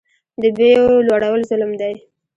د بیو لوړول ظلم دی